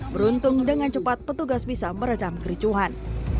beruntung dengan cepat petugas bisa meredam kericuhan